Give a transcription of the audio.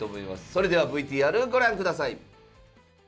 それではＶＴＲご覧ください。